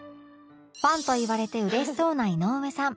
ファンと言われてうれしそうな井上さん